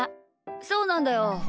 そうなんだよ。